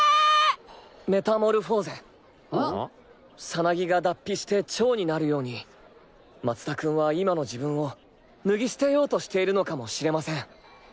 サナギが脱皮して蝶になるように松田君は今の自分を脱ぎ捨てようとしているのかもしれません。